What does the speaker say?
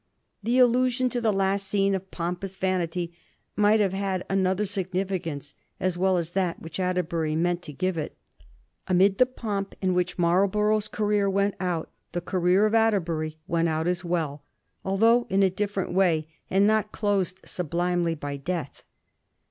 The allusion to the last scene of pompous vanity might have had another significance, as weU as that which Atterbury meant to give to it. Amid the pomp in which Marl borough's career went out the career of Atterbury went out as weU, although in a different way, and not closed sublimely by death.